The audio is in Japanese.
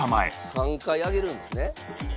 ３回揚げるんですね。